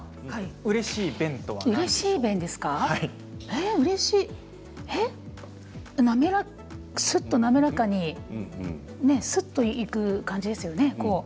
うれしいすっと滑らかにすっといく感じですよね。